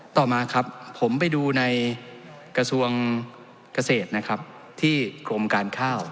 ต่อมาครับผมไปดูในกระทรวงเกษตรนะครับที่กรมการข้าว